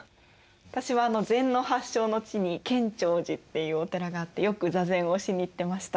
私は禅の発祥の地に建長寺っていうお寺があってよく座禅をしに行ってました。